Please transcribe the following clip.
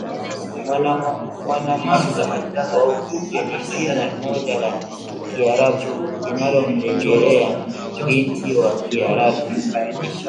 Mwanamanga kwa ufupi ni jina moja la Kiarabu linalomrejelea binti wa Kiarabu